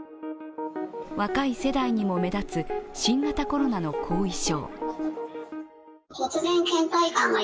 若い世代にも目立つ新型コロナの後遺症。